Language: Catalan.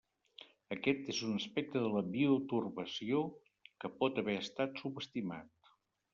Aquest és un aspecte de la bioturbació que pot haver estat subestimat.